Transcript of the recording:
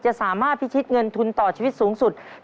สามารถพิชิตเงินทุนต่อชีวิตสูงสุด